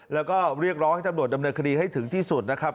แล้วก็เรียกร้องให้ตำรวจดำเนินคดีให้ถึงที่สุดนะครับ